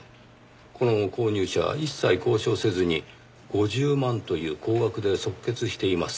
この購入者一切交渉せずに５０万という高額で即決しています。